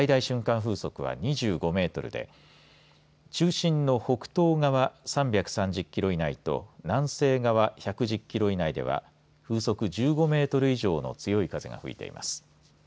風速は２５メートルで中心の北東側３３０キロ以内と南西側１１０キロ以内では風速１５メートル以上の強い風が吹いています。